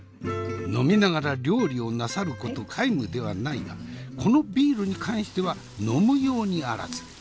呑みながら料理をなさること皆無ではないがこのビールに関しては呑む用にあらず。